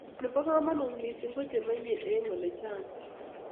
nebo kamangut mising ko chemenye eng ole chang bik